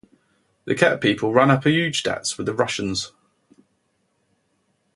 The Ket people ran up huge debts with the Russians.